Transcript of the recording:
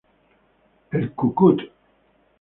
El "¡Cu-cut!